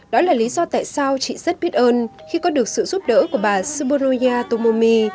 đó là lý do tại sao chị rất biết ơn khi có được sự giúp đỡ của bà suboroya tomomi